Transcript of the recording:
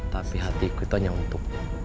tapi hatiku itu hanya untuk